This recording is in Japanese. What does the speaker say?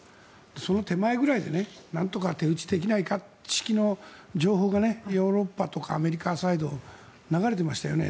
その手前ぐらいで、なんとか手打ちにできないか式の情報がヨーロッパとかアメリカサイドを流れてましたよね。